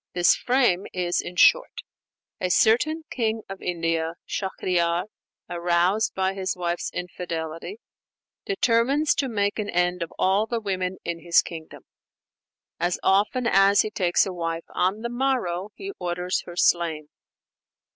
This "frame" is, in short: A certain king of India, Shahriyar, aroused by his wife's infidelity, determines to make an end of all the women in his kingdom. As often as he takes a wife, on the morrow he orders her slain.